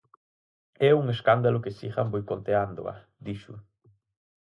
"É un escándalo que sigan boicoteándoa", dixo.